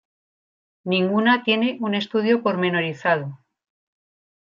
Ninguna tiene un estudio pormenorizado.